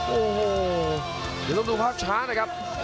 โอ้โหอย่าต้องดูภาพช้านะครับ